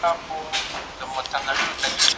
تاسو باید په لاره کې ډېر پام وکړئ.